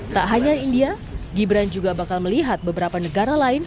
tak hanya india gibran juga bakal melihat beberapa negara lain